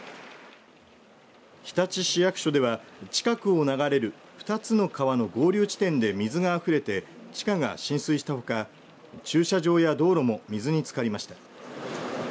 日立市役所では近くを流れる２つの川の合流地点で水があふれて地下が浸水したほか駐車場や道路も水につかりました。